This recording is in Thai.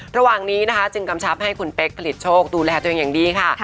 ระหว่างนี้นะคะจึงกำชับให้คุณเป๊กผลิตโชคดูแลตัวเองอย่างดีค่ะ